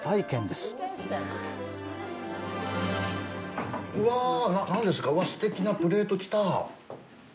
すてきなプレート来た！